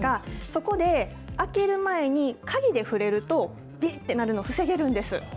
そこで、開ける前に鍵で触れると、びりってなるの防げるんです。